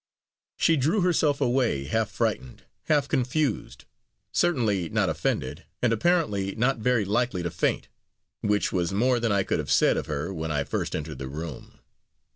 She drew herself away half frightened, half confused certainly not offended, and, apparently, not very likely to faint which was more than I could have said of her when I first entered the room.